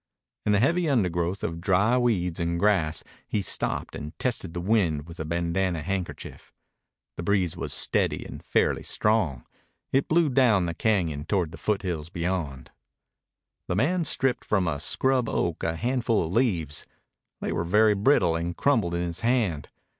In the heavy undergrowth of dry weeds and grass he stopped and tested the wind with a bandanna handkerchief. The breeze was steady and fairly strong. It blew down the cañon toward the foothills beyond. The man stripped from a scrub oak a handful of leaves. They were very brittle and crumbled in his hand.